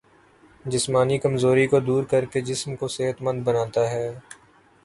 جسمانی کمزوری کو دور کرکے جسم کو صحت مند بناتا ہے